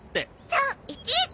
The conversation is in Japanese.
そう１列！